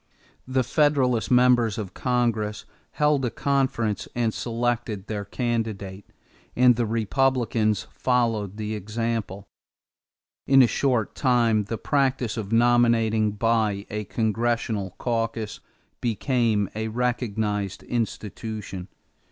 The Federalist members of Congress held a conference and selected their candidate, and the Republicans followed the example. In a short time the practice of nominating by a "congressional caucus" became a recognized institution.